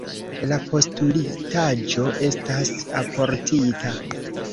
La postulitaĵo estas alportita.